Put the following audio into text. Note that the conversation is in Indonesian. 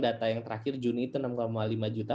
data yang terakhir juni itu enam lima juta